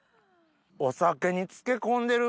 お酒に漬け込んでる